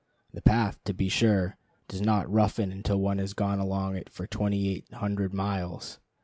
The path, to be sure, does not roughen until one has gone along it for twenty eight hundred miles.